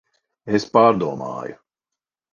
Es pārdomāju.